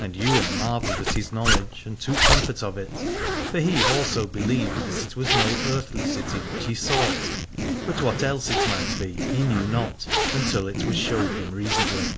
And Ywain marvelled at his knowledge and took comfort of it : for he also believed that it was no earthly city which he sought, but what else it might be he knew not, until it was showed him reasonably.